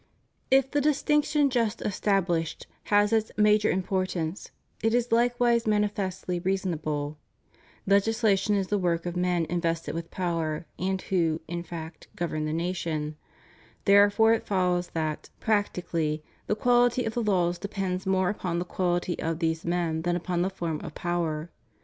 If the distinction just established has its major im portance, it is likewise manifestly reasonable: Legislation is the work of men invested with power, and who, in fact, govern the nation; therefore it follows that, practically, the quality of the laws depends more upon the quality of these men than upon the form of power.